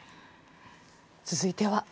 続いては。